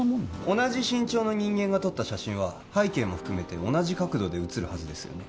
同じ身長の人間が撮った写真は背景も含めて同じ角度で写るはずですよね